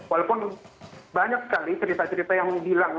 walaupun banyak sekali cerita cerita yang hilang